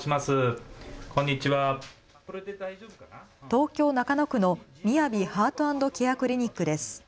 東京中野区のみやびハート＆ケアクリニックです。